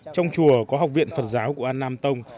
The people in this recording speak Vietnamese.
trong chùa có học viện phật giáo của an nam tông